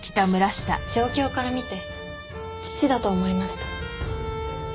状況から見て父だと思いました。